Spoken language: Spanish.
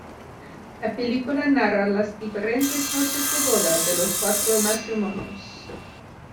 La película narra las diferentes noches de boda de los cuatro matrimonios.